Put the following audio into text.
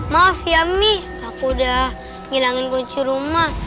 maaf ya mi aku udah ngilangin kunci rumah